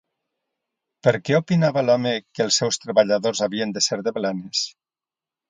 Per què opinava l'home que els seus treballadors havien de ser de Blanes?